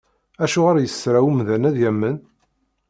Acuɣer yesra umdan ad yamen?